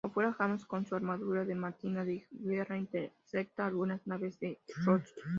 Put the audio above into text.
Afuera, James, con su armadura de Máquina de Guerra, intercepta algunas naves de Roxxon.